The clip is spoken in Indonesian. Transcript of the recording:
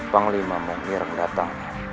panglima menghirang datang